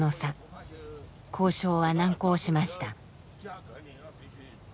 交渉は難航しました。